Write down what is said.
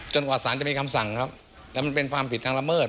กว่าสารจะมีคำสั่งครับแล้วมันเป็นความผิดทางละเมิด